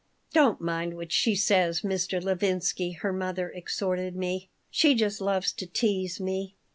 "Don't mind what she says, Mr. Levinsky," her mother exhorted me. "She just loves to tease me."